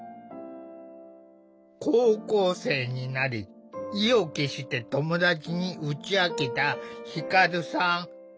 高校生になり意を決して友達に打ち明けた輝さん。